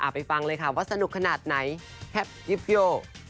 ไปฟังเลยค่ะว่าสนุกขนาดไหนแฮปยิบโย